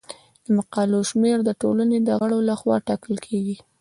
د مقالو شمیر د ټولنې د غړو لخوا ټاکل کیږي.